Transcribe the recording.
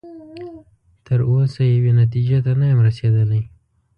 تر اوسه یوې نتیجې ته نه یم رسیدلی.